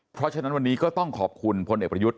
เพราะฉะนั้นวันนี้ก็ต้องขอบคุณพลเอกประยุทธ์